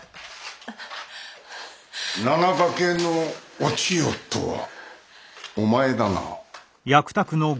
七化けのお千代とはお前だな？